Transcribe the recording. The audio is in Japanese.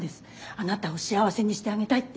あなたを幸せにしてあげたいって。